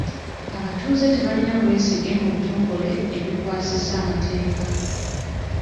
Abatuuze tebalina bwesige mu bitongole ebikwasisa amateeka.